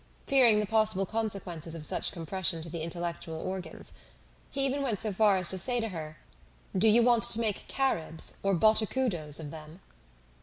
Fearing the possible consequences of such compression to the intellectual organs. He even went so far as to say to her, "Do you want to make Caribs or Botocudos of them?"